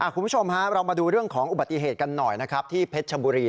คุณผู้ชมฮะเรามาดูเรื่องของอุบัติเหตุกันหน่อยนะครับที่เพชรชบุรี